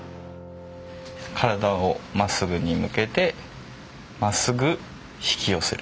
体をまっすぐに向けてまっすぐ引き寄せる。